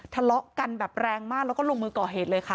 ทะเลาะกันแบบแรงมากแล้วก็ลงมือก่อเหตุเลยค่ะ